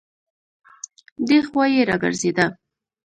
دی خوا يې راګرځېده.